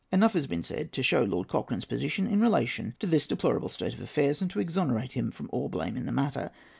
Enough has been said to show Lord Cochrane's position in relation to this deplorable state of affairs, and to exonerate him from all blame in the matter.